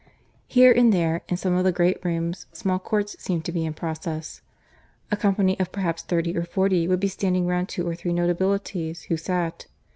Here and there in some of the great rooms small courts seemed to be in process a company of perhaps thirty or forty would be standing round two or three notabilities who sat.